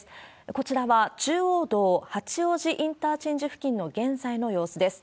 こちらは中央道八王子インターチェンジ付近の現在の様子です。